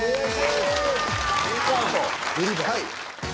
はい。